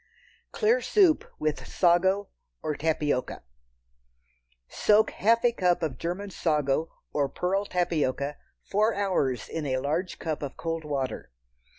Clear Soup with Sago or Tapioca. Soak half a cup of German sago or pearl tapioca four hours in a large cup of cold water.